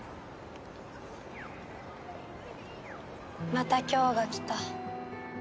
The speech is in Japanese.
また今日が来た。